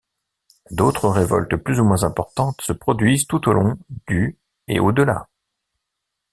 D'autres révoltes plus ou moins importantes se produisent tout au long du et au-delà.